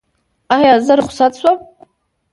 ایا زه رخصت شم؟